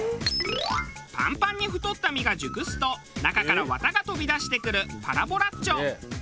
パンパンに太った実が熟すと中から綿が飛び出してくるパラボラッチョ。